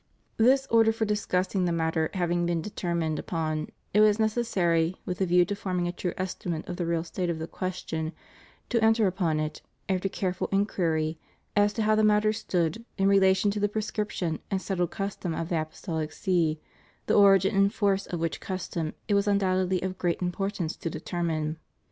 This order for discussing the matter having been de termined upon, it was necessary, with a view to forming a true estimate of the real state of the question, to enter upon it, after careful inquiry as to how the matter stood in relation to the prescription and settled custom of the Apostolic See, the origin and force of which custom it was undoubtedly of great importance to determine.